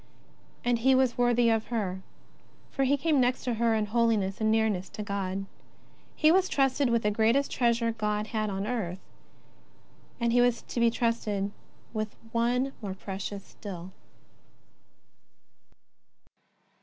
And he was worthy of her, for he came next to her in holiness and nearness to God. He was trusted with the greatest treasure God had on earth, and he was about to be trusted with One more precious etill.